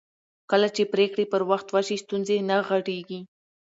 کله چې پرېکړې پر وخت وشي ستونزې نه غټېږي